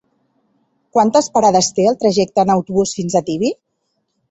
Quantes parades té el trajecte en autobús fins a Tibi?